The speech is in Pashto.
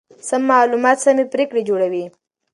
سم معلومات سمې پرېکړې جوړوي.